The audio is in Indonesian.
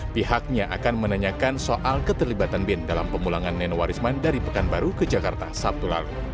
pihaknya akan menanyakan soal keterlibatan bin dalam pemulangan nenowarisman dari pekanbaru ke jakarta sabtu lalu